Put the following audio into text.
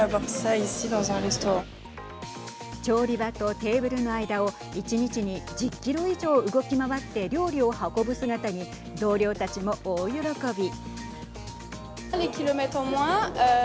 調理場とテーブルの間を１日に１０キロ以上動き回って料理を運ぶ姿に同僚たちも大喜び。